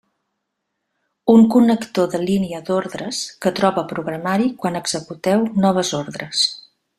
Un connector de línia d'ordres que troba programari quan executeu noves ordres.